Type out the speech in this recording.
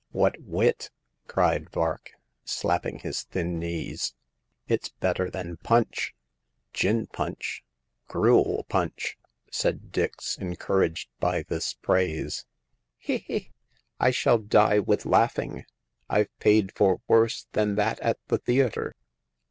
What wit !" cried Vark, slapping his thin knees* It's better than Punch I "" Gin punch ! gruel punch !" said Dix, encour aged by this praise. He, he ! I shall die with laughing ! Fve paid for worse than that at the theater !